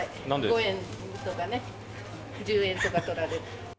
５円とかね、１０円とか取られる。